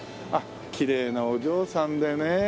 あっきれいなお嬢さんでね。